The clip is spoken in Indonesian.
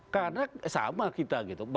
karena sama kita gitu